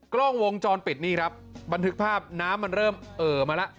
กล้องวงจรปิดนี่ครับบันทึกภาพน้ำมันเริ่มเอ่อมาแล้ว